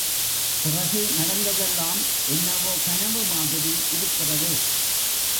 பிறகு, நடந்ததெல்லாம் என்னவோ கனவு மாதிரி இருக்கிறது.